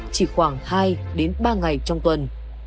chỉ khoảng hai đến ba ngày trong tuần